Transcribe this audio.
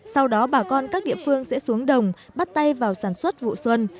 sau đó bà con các địa phương sẽ xuống đồng bắt tay vào sản xuất vụ xuân